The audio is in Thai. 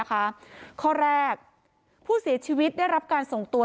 ข้อแรกผู้เสียชีวิตได้รับการส่งตัว